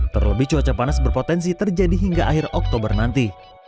terlebih cuaca panas berpotensi terjadi hingga akhir oktober nanti